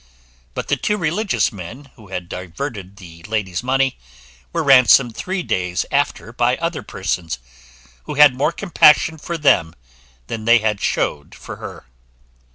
But the two religious men, who had diverted the lady's money, were ransomed three days after by other persons, who had more compassion for them than they had showed for her.